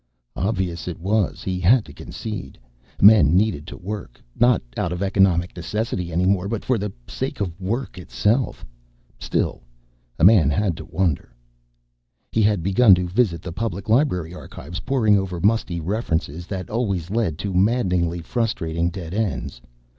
Obvious it was, he had to concede. Men needed to work, not out of economic necessity any more but for the sake of work itself. Still a man had to wonder.... He had begun to visit the Public Library Archives, poring over musty references that always led to maddeningly frustrating dead ends.